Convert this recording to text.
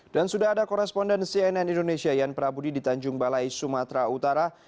dan sudah ada korespondensi ann indonesia yan prabudi di tanjung balai sumatera utara